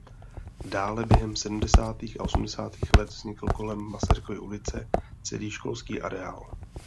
Dále během sedmdesátých a osmdesátých let vznikl kolem Masarykovy ulice celý školský areál.